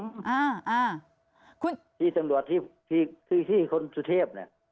อ่าอ่าคุณพี่สำหรับที่ที่ที่ที่คนสุเทพเนี้ย